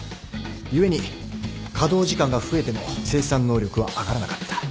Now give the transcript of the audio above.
故に稼働時間が増えても生産能力は上がらなかった。